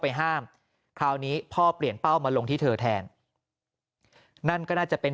ห้ามคราวนี้พ่อเปลี่ยนเป้ามาลงที่เธอแทนนั่นก็น่าจะเป็น